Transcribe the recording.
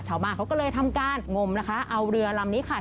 ชาวบ้านเขาก็เลยทำการงมนะคะเอาเรือลำนี้ค่ะ